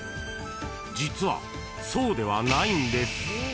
［実はそうではないんです］